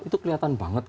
itu kelihatan banget